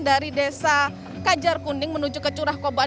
dari desa kajar kuning menuju ke curah koban